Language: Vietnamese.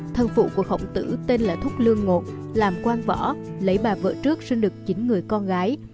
thân phụ của khổng tử tên là thúc lương ngột làm quan võ lấy bà vợ trước sinh được chín người con gái